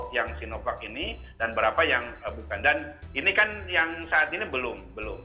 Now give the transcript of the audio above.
yang sinovac ini dan berapa yang bukan dan ini kan yang saat ini belum belum